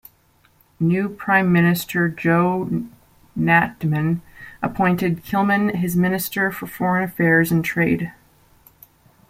New Prime Minister Joe Natuman appointed Kilman his Minister for Foreign Affairs and Trade.